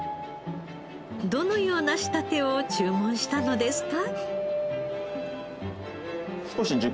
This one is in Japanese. どのような仕立てを注文したのですか？